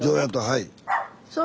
はい。